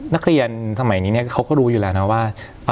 นักเรียนสมัยนี้เขาก็รู้อยู่แล้วนะว่า